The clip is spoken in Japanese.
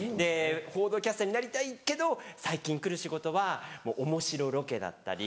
報道キャスターになりたいけど最近来る仕事はおもしろロケだったり。